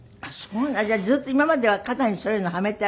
じゃあずっと今までは肩にそういうのをはめていらしたの？